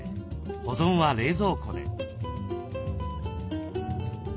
保存は冷蔵庫で。